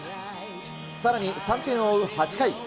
さらに、３点を追う８回。